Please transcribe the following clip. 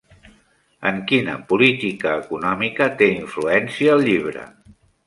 En quina política econòmica té influència el llibre?